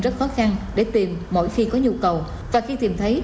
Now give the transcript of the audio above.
rất khó khăn để tìm mỗi khi có nhu cầu và khi tìm thấy